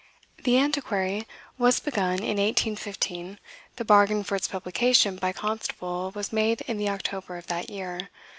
"THE ANTIQUARY" was begun in 1815; the bargain for its publication by Constable was made in the October of that year.